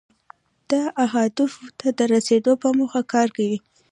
دا اهدافو ته د رسیدو په موخه کار کوي.